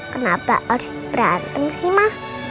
kenapa harus berantem sih mah